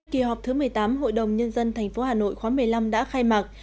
kỳ họp thứ một mươi tám hội đồng nhân dân tp hà nội khóa một mươi năm đã khai mạc